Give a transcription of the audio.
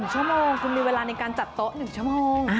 ชั่วโมงคุณมีเวลาในการจัดโต๊ะ๑ชั่วโมง